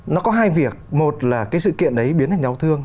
nó có hai việc một là cái sự kiện đấy biến thành đau thương